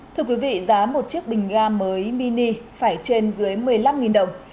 thưa quý vị giá một chiếc bình ga mới mini phải trên dưới một mươi năm đồng